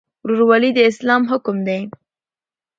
ورورولي د اسلام حکم دی